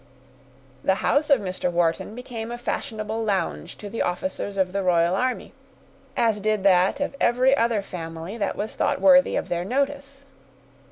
The house of Mr. Wharton became a fashionable lounge to the officers of the royal army, as did that of every other family that was thought worthy of their notice.